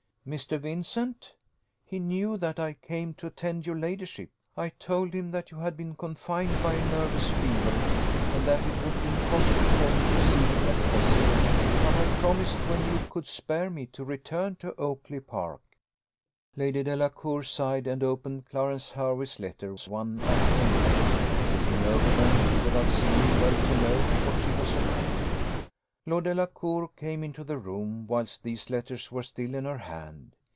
"Mr. Vincent? He knew that I came to attend your ladyship. I told him that you had been confined by a nervous fever, and that it would be impossible for me to see him at present; but I promised, when you could spare me, to return to Oakly park." Lady Delacour sighed, and opened Clarence Hervey's letters one after another, looking over them without seeming well to know what she was about. Lord Delacour came into the room whilst these letters were still in her hand.